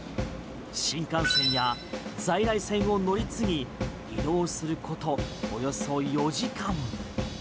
新幹線や在来線を乗り継ぎ移動することおよそ４時間。